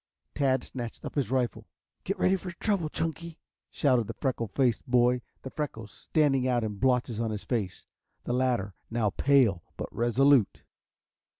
Tad snatched up his rifle. "Get ready for trouble, Chunky," shouted the freckle faced boy, the freckles standing out in blotches on his face, the latter now pale but resolute.